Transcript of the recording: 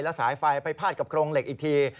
สายไฟไปพาดกับโครงเหล็กอีกที